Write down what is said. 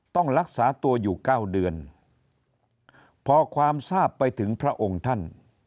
ต้องรักษาตัวอยู่๙เดือนพอความทราบไปถึงพระองค์ท่าน